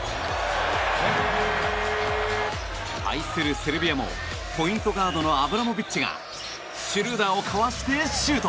対するセルビアもポイントガードのアブラモビッチがシュルーダーをかわしてシュート！